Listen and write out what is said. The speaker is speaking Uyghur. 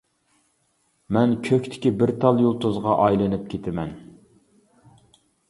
مەن كۆكتىكى بىر تال يۇلتۇزغا ئايلىنىپ كىتىمەن.